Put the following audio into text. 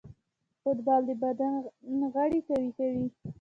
فوټبال د بدن غړي قوي کوي.